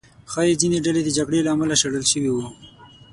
ښایي ځینې ډلې د جګړې له امله شړل شوي وو.